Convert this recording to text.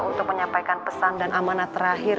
untuk menyampaikan pesan dan amanah terakhir